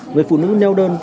người phụ nữ neo đơn